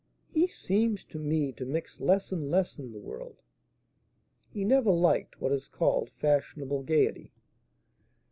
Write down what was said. "He seems to me to mix less and less in the world." "He never liked what is called fashionable gaiety."